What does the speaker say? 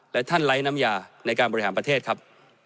และท่านไร้น้ำยาในการบริหารประเทศครับ